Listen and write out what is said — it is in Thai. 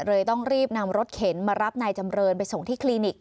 เลยต้องรีบนำรถเข็นมารับนายจำเรินไปส่งที่คลินิก